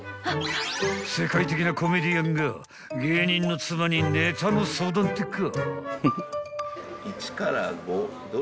［世界的なコメディアンが芸人の妻にネタの相談ってか？］